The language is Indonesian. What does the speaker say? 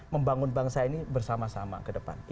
membangun bangsa ini bersama sama ke depan